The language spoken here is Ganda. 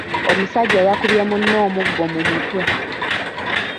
Omusajja yakubye munne omuggo mu mutwe.